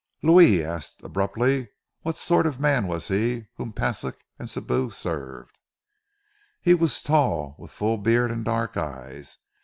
"Louis," he asked abruptly, "what sort of a man was he whom Paslik and Sibou served?" "He was tall, with full beard and dark eyes.